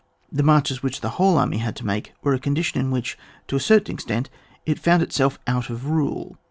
The marches which the whole army had to make were a condition in which, to a cer tain extent, it found itself out of rule.